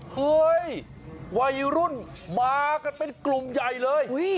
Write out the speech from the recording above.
เฮ้ยวัยรุ่นมากันเป็นกลุ่มใหญ่เลย